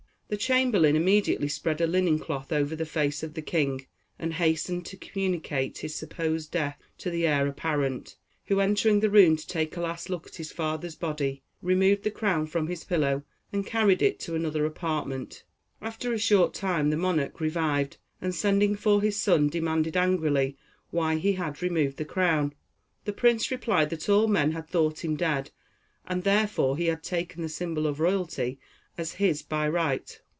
The chamberlain immediately spread a linen cloth over the face of the king, and hastened to communicate his supposed death to the heir apparent, who, entering the room to take a last look at his father's body, removed the crown from his pillow, and carried it into another apartment. After a short time the monarch revived, and sending for his son demanded, angrily, why he had removed the crown. The prince replied that all men had thought him dead, and therefore he had taken the symbol of royalty as his by right.